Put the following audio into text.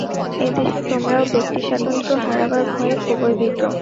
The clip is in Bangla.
এ দেশে তোমরাও ব্যক্তিস্বাতন্ত্র্য হারাবার ভয়ে খুবই ভীত।